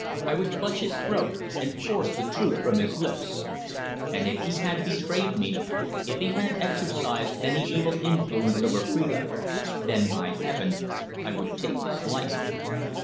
I would clutch his throat and force the truth from his lips. And if he had betrayed me if he had exercised any evil influence over Phrida then, by heaven! I would take his life!